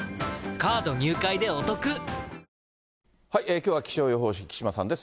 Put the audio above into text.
きょうは気象予報士、木島さんです。